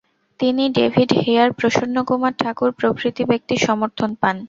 তিনি David Hare, Prasannakumar Thakur প্রভৃতি ব্যক্তির সমর্থন পান।